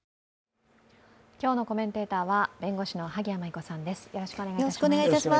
今日のコメンテーターは弁護士の萩谷麻衣子さんです。